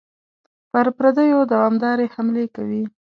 پر پردیو دوامدارې حملې کوي.